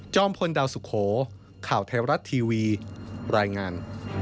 พลดาวสุโขข่าวไทยรัฐทีวีรายงาน